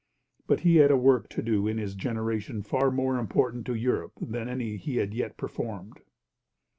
But he had a work to do in his generation far more important to Europe than any he had yet performed.